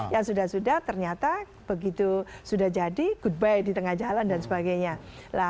yang sudah sudah ternyata begitu sudah jadi goodby di tengah jalan dan sebagainya